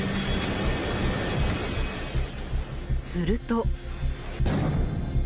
すると。